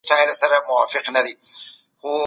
ولي دروغ ویل ذهن تل په اندېښنه کي ساتي؟